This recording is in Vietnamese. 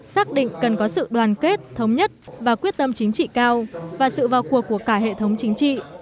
xác định cần có sự đoàn kết thống nhất và quyết tâm chính trị cao và sự vào cuộc của cả hệ thống chính trị